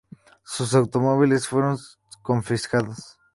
Sus automóviles fueron confiscados.